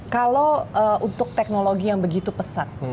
kalau untuk teknologi yang begitu pesat